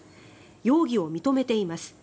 容疑を認めています。